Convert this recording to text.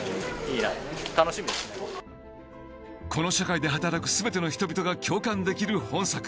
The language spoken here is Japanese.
この社会で働く全ての人々が共感できる本作。